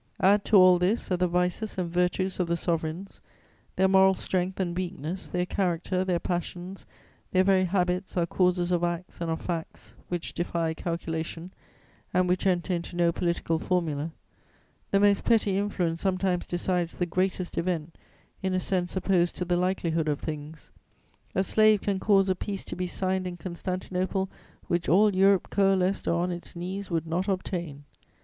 "Add to all this that the vices and virtues of the sovereigns, their moral strength and weakness, their character, their passions, their very habits are causes of acts and of facts which defy calculation and which enter into no political formula: the most petty influence sometimes decides the greatest event in a sense opposed to the likelihood of things; a slave can cause a peace to be signed in Constantinople which all Europe, coalesced or on its knees, would not obtain.